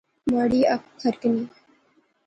مہاڑی اکھ پھرکنی